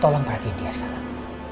tolong perhatiin dia sekarang